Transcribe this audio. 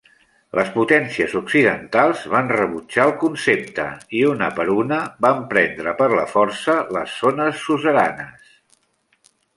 Les potències occidentals van rebutjar el concepte i, una per una, van prendre per la força les zones suzeranes.